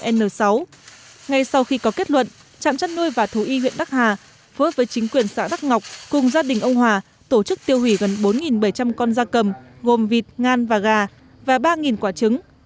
ngay sau khi có kết luận trạm chăn nuôi và thú y huyện đắc hà phối hợp với chính quyền xã đắc ngọc cùng gia đình ông hòa tổ chức tiêu hủy gần bốn bảy trăm linh con da cầm gồm vịt ngan và gà và ba quả trứng